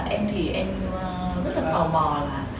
em thì em rất là tò mò là